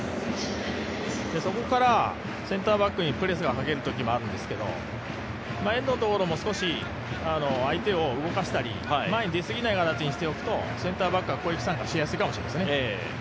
そこからセンターバックにプレスがかかるときがあるんですけど遠藤のところも少し相手を動かしたり、前に出すぎない形にしておくとセンターバックが攻撃参加しやすいかもしれないですね。